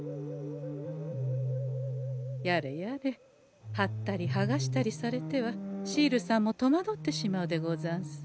やれやれはったりはがしたりされてはシールさんもとまどってしまうでござんす。